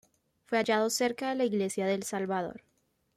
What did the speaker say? Fue hallado cerca de la Iglesia del Salvador.